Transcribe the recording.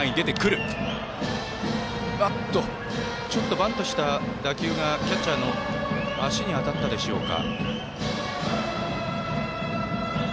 バントした打球がキャッチャーの足に当たったでしょうか。